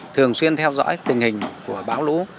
thường xuyên theo dõi tình hình của bão lũ